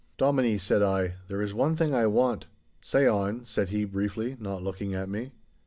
'Dominie,' said I, 'there is one thing I want—' 'Say on,' said he, briefly, not looking at me.